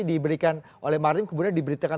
diberikan oleh marim kemudian diberitakan